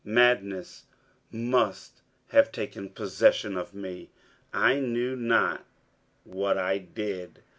Madness must have taken possession of me. I knew not what I did.